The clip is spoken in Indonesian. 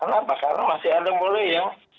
kenapa karena masih ada mulai yang